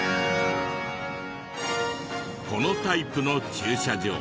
このタイプの駐車場